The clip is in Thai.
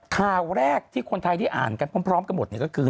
ข่าวแรกที่คนไทยได้อ่านกันพร้อมกันหมดก็คือ